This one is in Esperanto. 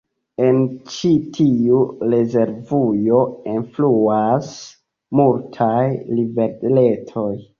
En ĉi tiu rezervujo enfluas multaj riveretoj.